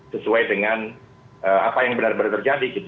sesuai dengan apa yang benar benar terjadi gitu